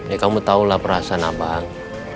ya kamu tahulah perasaan abang